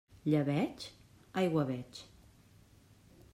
Llebeig?, aigua veig.